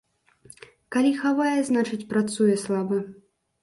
Калі хавае, значыць, працуе слаба.